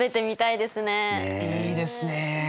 いいですねえ。